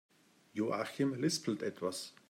Joachim lispelt etwas.